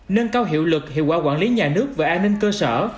nâng cao hiệu lực hiệu quả quản lý nhà nước về an ninh cơ sở